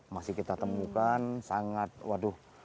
masih kita temukan sangat waduh